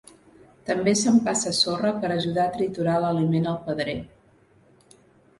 També s'empassa sorra per ajudar a triturar l'aliment al pedrer.